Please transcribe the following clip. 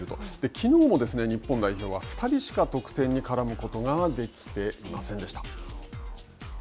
きのうも日本代表は２人しか得点に絡むことができていませんでした。